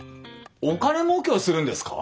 お金もうけをするんですか？